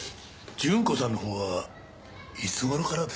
順子さんのほうはいつ頃からですか？